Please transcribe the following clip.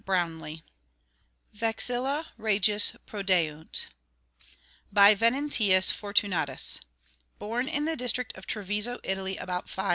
Passion Week VEXILLA REGIS PRODEUNT By Venantius Fortunatus. Born in the district of Treviso, Italy, about 530.